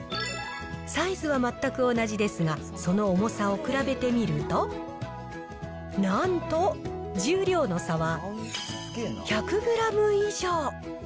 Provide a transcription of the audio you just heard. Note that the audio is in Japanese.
サイズは全く同じですが、その重さを比べてみると、なんと重量の差は１００グラム以上。